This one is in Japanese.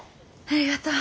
ありがとう。